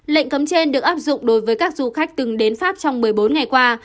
lệnh cấm trên được áp dụng đối với các du khách từng đến pháp trong một mươi bốn ngày qua